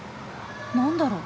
何だろう。